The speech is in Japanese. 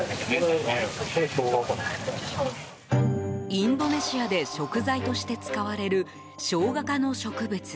インドネシアで食材として使われるショウガ科の植物。